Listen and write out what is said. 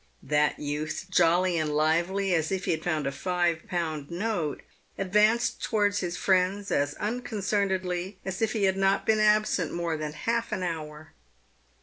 That youth, jolly and lively as if he had found a five pound note, advanced towards his friends as unconcernedly as if he had not been absent more than half an hour.